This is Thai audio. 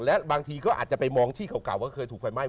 และบางทีก็อาจจะไปมองที่เก่าว่าเคยถูกไฟไหม้